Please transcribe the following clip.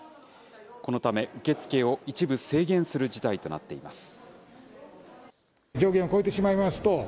このため、受け付けを一部制限する事態となっています。